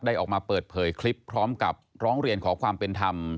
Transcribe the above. ออกมาเปิดเผยคลิปพร้อมกับร้องเรียนขอความเป็นธรรม